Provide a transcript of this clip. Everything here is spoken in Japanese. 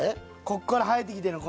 ここから生えてきてる。